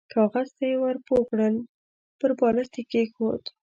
کاغذ ته يې ور پوه کړل، پر بالښت يې کېښود.